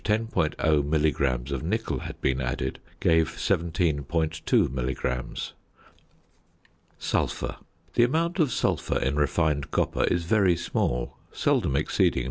0 milligrams of nickel had been added, gave 17.2 milligrams. ~Sulphur.~ The amount of sulphur in refined copper is very small, seldom exceeding 0.